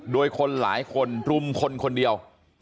โดยคนหลายคนรุมคนคนเดียว